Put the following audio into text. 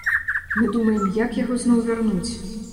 Мы думаем, як яго зноў вярнуць?